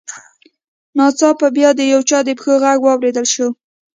ناڅاپه بیا د چا د پښو غږ واورېدل شو